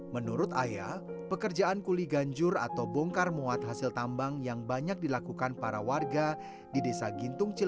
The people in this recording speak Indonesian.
menurut ayah pekerjaan kuli ganjur atau bongkar muat hasil tambang yang banyak dilakukan para warga di desa gintung